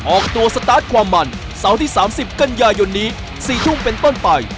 ออกตัวสตาร์ทความมันเสาร์ที่๓๐กันยายนนี้๔ทุ่มเป็นต้นไป